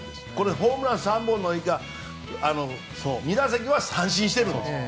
ホームラン３本のほかは２打席は三振しているんです。